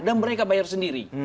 dan mereka bayar sendiri